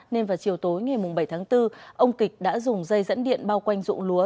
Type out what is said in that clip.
nên vào chiều tối ngày bảy tháng bốn ông kịch đã dùng dây dẫn điện bao quanh dụng lúa